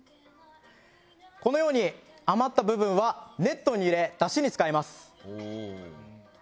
このように余った部分はネットに入れ出汁に使います。